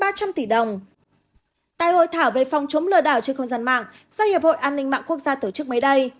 tại hội thảo về phòng chống lừa đảo trên không gian mạng do hiệp hội an ninh mạng quốc gia tổ chức mới đây